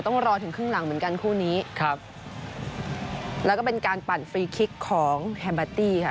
ต้องรอถึงครึ่งหลังเหมือนกันคู่นี้ครับแล้วก็เป็นการปั่นฟรีคลิกของแฮมบาร์ตี้ค่ะ